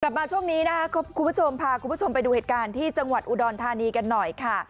มาช่วงนี้นะครับคุณผู้ชมพาคุณผู้ชมไปดูเหตุการณ์ที่จังหวัดอุดรธานีกันหน่อยค่ะ